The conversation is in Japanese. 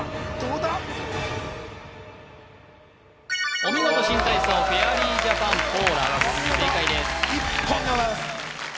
お見事新体操フェアリージャパンＰＯＬＡ正解です一本でございます